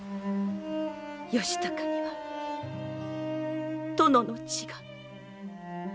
義高には殿の血が。